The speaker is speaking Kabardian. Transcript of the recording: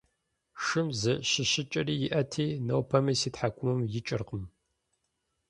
Шым зы щыщыкӀэрэ иӀэти, нобэми си тхьэкӀумэм икӀыркъым…